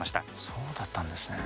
そうだったんですね。